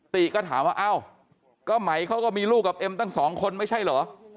ติก็ถามว่าเอ้าก็ไหมเขาก็มีลูกกับเอ็มตั้งสองคนไม่ใช่เหรอ